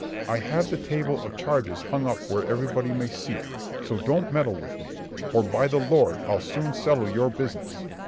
I have the table of charges hung up where everybody may see it, so don't meddle with me, or by the Lord I'll soon settle your business.